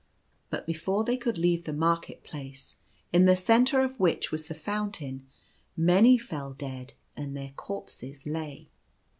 But before they could leave the market place, in the centre of which was the fountain, many fell dead, and their corpses lay.